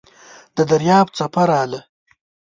د دریاب څپه راغله .